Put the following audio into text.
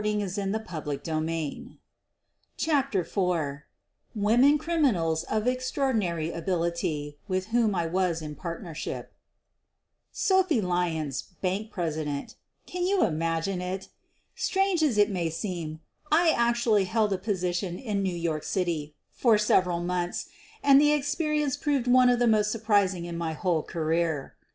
QUEEN OF THE BURGLAES 89 CHAPTER IV WOMEN CRIMINALS OF EXTRAORDINARY ABILITY WITH WHOM I WAS IN PARTNERSHIP f Sophie Lyons, bank president — can you imagine it? Strange as it may seem, I actually held such a position in New York City for several months, and the experience proved one of the most surprising in my whole career.